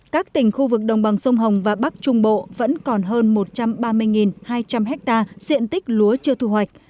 các tỉnh khu vực đồng bằng sông hồng và bắc trung bộ vẫn còn hơn một trăm ba mươi hai trăm linh hectare diện tích lúa chưa thu hoạch